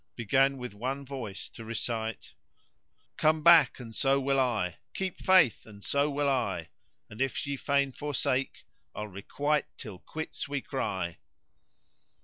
began with one voice to recite:— Come back and so will I! Keep faith and so will I! * And if ye fain forsake, I'll requite till quits we cry!